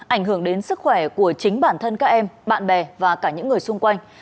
ảnh hưởng đến sức khỏe của chính bản thân các em bạn bè và cả những người xung quanh